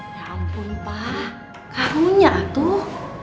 ya ampun pak kamu nya tuh